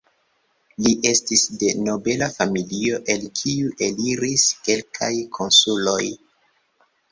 Li estis de nobela familio el kiu eliris kelkaj konsuloj.